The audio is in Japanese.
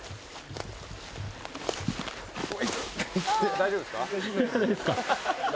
大丈夫です。